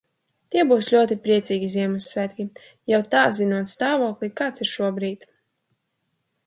Tie būs ļoti priecīgi Ziemassvētki, jau tā zinot stāvokli, kāds ir šobrīd.